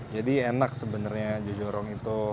jadi enak sebenarnya jojorong itu